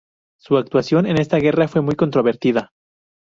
Su actuación en esta guerra fue muy controvertida.